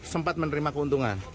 tete sempat menerima keuntungan